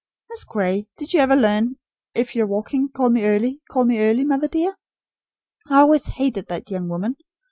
Miss Gray, did you ever learn: 'If you're waking call me early, call me early, mother dear'? I always hated that young woman!